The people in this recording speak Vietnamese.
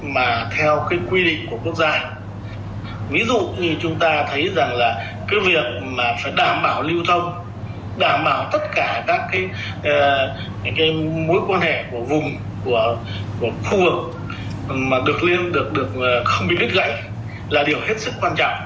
mà theo cái quy định của quốc gia ví dụ như chúng ta thấy rằng là cái việc mà phải đảm bảo lưu thông đảm bảo tất cả các cái mối quan hệ của vùng của khu vực mà được liên được được không bị bứt gãy là điều hết sức quan trọng